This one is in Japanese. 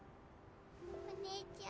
お姉ちゃん。